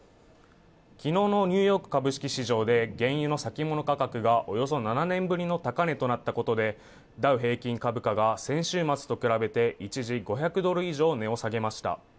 昨日のニューヨーク株式市場で原油の先物価格がおよそ７年ぶりの高値となったことでダウ平均株価が先週末と比べて一時５００ドル以上値を下げました